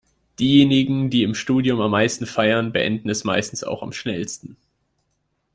Diejenigen, die im Studium am meisten feiern, beenden es meistens auch am schnellsten.